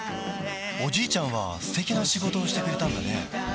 おじいちゃんは素敵な仕事をしてくれたんだね